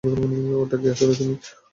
ওটা কি আসলেই তুমি?